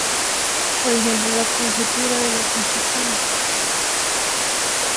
Por ejemplo, la conjetura de la reconstrucción.